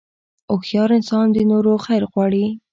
هوښیار انسان د نورو خیر غواړي.